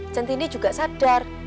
centini juga sadar